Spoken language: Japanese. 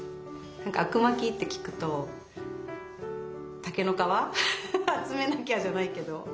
「あくまき」って聞くと竹の皮集めなきゃじゃないけど。